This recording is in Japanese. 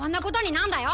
なんだよ！